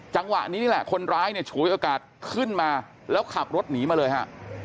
จังหวะนี้นี่แหละคนร้ายเนี่ยฉวยโอกาสขึ้นมาแล้วขับรถหนีมาเลยฮะ